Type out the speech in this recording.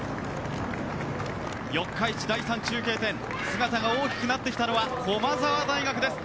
四日市第３中継点姿が大きくなってきたのは駒澤大学です。